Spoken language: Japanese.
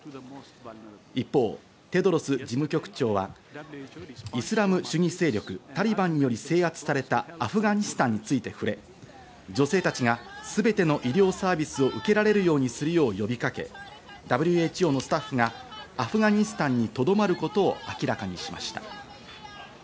一方、テドロス事務局長はイスラム主義勢力・タリバンにより制圧されたアフガニスタンについて触れ、女性たちがすべての医療サービスを受けられるようにするよう呼びかけ、ＷＨＯのスタッフがアフガニスタンにとどまることを明らかにしました。